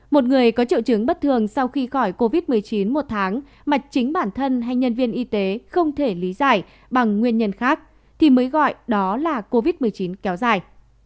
một người có triệu chứng bất thường sau khi khỏi covid một mươi chín một tháng mà chính bản thân hay nhân viên y tế không thể lý giải bằng nguyên nhân khác thì mới gọi đó là covid một mươi chín kéo dài